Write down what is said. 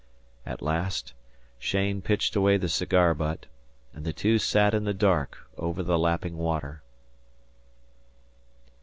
At last Cheyne pitched away the cigar butt, and the two sat in the dark over the lapping water.